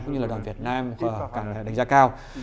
cũng như là đoàn việt nam đánh giá cao